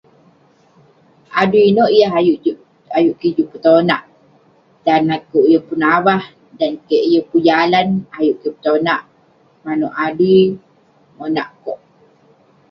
Adui inouk yah ayuk juk- ayuk kik juk petonak? Dan akouk yeng pun avah, dan kek yeng pun jalan, ayuk kek petonak. Manouk adui monak kok.